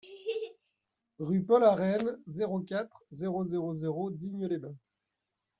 Rue Paul Arène, zéro quatre, zéro zéro zéro Digne-les-Bains